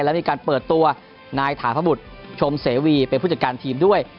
และมีการเปิดตัวนายถาพบุตรชมเสวีเป็นผู้จัดการทีมด้วย